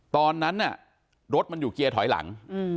ตอนนั้นรถมันอยู่เกียร์ถอยหลัง